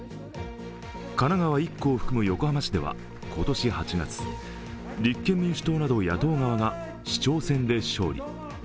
神奈川１区を含む横浜市では今年８月、立憲民主党など野党側が市長選で勝利。